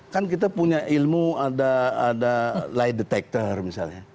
kan kita punya ilmu ada light detector misalnya